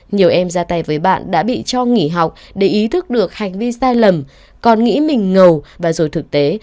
nhiều em ra tay với bạn đã bị cho nghỉ học để ý thức được hành vi sai lầm còn nghĩ mình ngầu và rồi thực tế